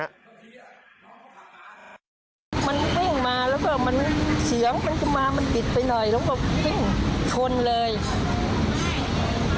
มันวิ่งมาแล้วก็มันเสียงมันมามันติดไปหน่อย